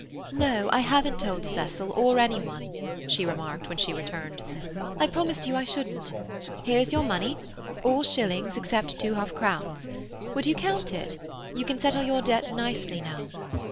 "No, I haven't told Cecil or any one," she remarked, when she returned. "I promised you I shouldn't. Here is your money—all shillings, except two half crowns. Would you count it? You can settle your debt nicely now."